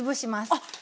あっ！